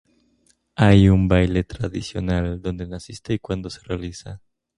¿Hay un baile tradicional donde naciste y cuándo se realiza?